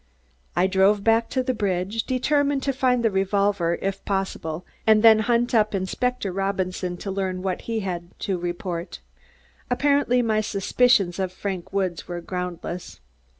I drove back to the bridge, determined to find the revolver, if possible, and then hunt up Inspector Robinson to learn what he had to report. Apparently, my suspicions of Frank Woods were groundless.